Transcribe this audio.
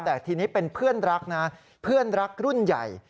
แต่ทีนี้เป็นเพื่อนรักนะเพื่อนรักรุ่นใหญ่